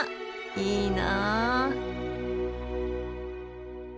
いいな。